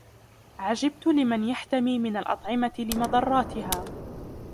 عَجِبْت لِمَنْ يَحْتَمِي مِنْ الْأَطْعِمَةِ لِمَضَرَّاتِهَا